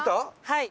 はい。